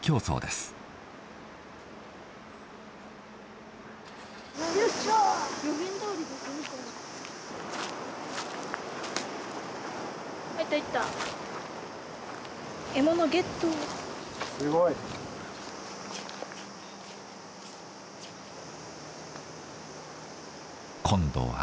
・すごい！今度は。